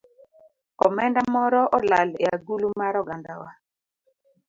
Omenda moro olal e agulu mar ogandawa